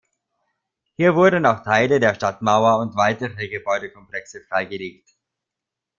Hier wurden auch Teile der Stadtmauer und weitere Gebäudekomplexe freigelegt.